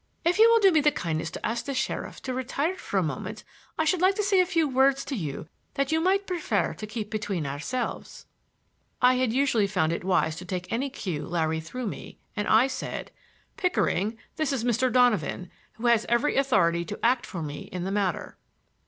If you will do me the kindness to ask the sheriff to retire for a moment I should like to say a few words to you that you might prefer to keep between ourselves." I had usually found it wise to take any cue Larry threw me, and I said: "Pickering, this is Mr. Donovan, who has every authority to act for me in the matter."